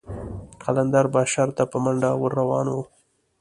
قلندر به شر ته په منډه ور روان و.